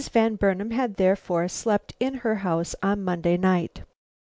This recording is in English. Van Burnam had therefore slept in her house on Monday night.